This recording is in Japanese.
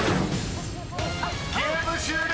［ゲーム終了！］